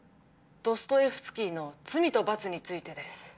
ドストエフスキーの「罪と罰」についてです。